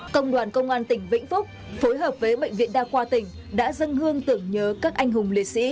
công đoàn công an tỉnh vĩnh phúc phối hợp với bệnh viện đa khoa tỉnh đã dâng hương tưởng nhớ các anh hùng liệt sĩ